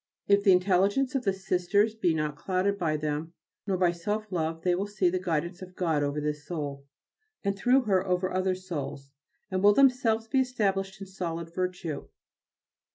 If the intelligence of the Sisters be not clouded by them nor by self love they will see the guidance of God over this soul, and through her over other souls, and will themselves be established in solid virtue.